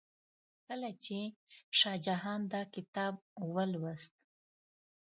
کله چې شاه جهان دا کتاب ولوست.